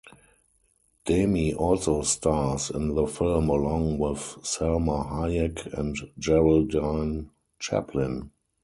Demy also stars in the film along with Salma Hayek and Geraldine Chaplin.